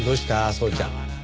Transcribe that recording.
宗ちゃん。